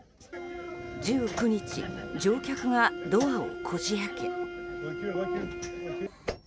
１９日乗客がドアをこじ開け。